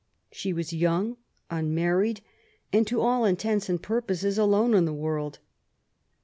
She was young, unmarried, and, to all intents and purposes, alone in the world.